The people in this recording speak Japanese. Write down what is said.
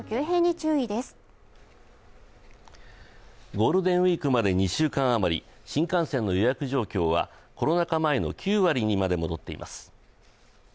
ゴールデンウイークまで２週間余り、新幹線の予約状況はコロナ禍前の９割にまで戻っています。